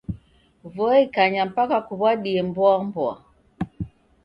Vua ikanya mpaka kuw'adie mboa-mboa.